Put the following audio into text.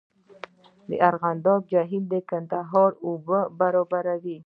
د ارغنداب جهیل د کندهار اوبه برابروي